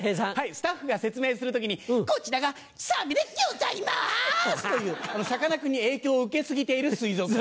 スタッフが説明する時に「こちらがサメでギョざいます！」というさかなクンに影響を受け過ぎている水族館。